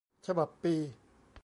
ฉบับปี